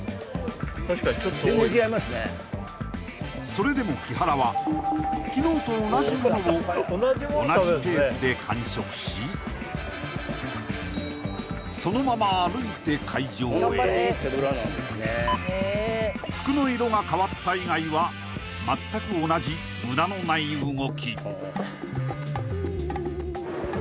それでも木原は昨日と同じものを同じペースで完食しそのまま服の色が変わった以外は全く同じ無駄のない動き